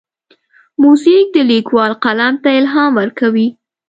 موزیک د لیکوال قلم ته الهام ورکوي.